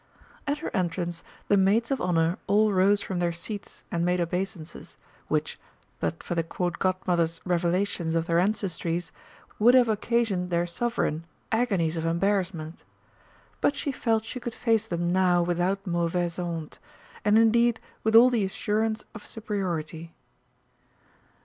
At her entrance the Maids of Honour all rose from their seats and made obeisances which, but for the Court Godmother's revelations of their ancestries, would have occasioned their Sovereign agonies of embarrassment. But she felt she could face them now without mauvaise honte, and indeed with all the assurance of superiority.